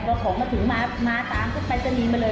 บอกของมาถึงมามาตามก็ไปเจ้านี้มาเลย